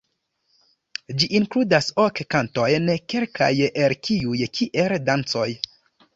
Ĝi inkludas ok kantojn, kelkaj el kiuj kiel dancoj.